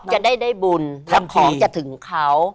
อ๊อฟจะได้บุญและของจะถึงเขา